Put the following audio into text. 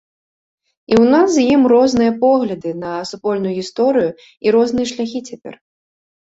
І ў нас з ім розныя погляды на супольную гісторыю і розныя шляхі цяпер.